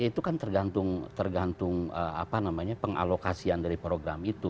itu kan tergantung pengalokasian dari program itu